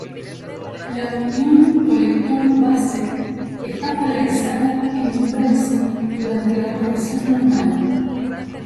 La unión colector-base está polarizada en inversa durante la operación normal.